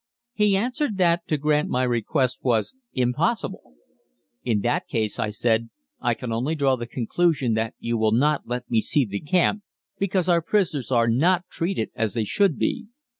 He answered that to grant my request was impossible. "In that case," I said, "I can only draw the conclusion that you will not let me see the camp because our prisoners are not treated as they should be."